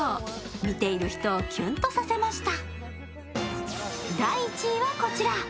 見ている人をキュンとさせました。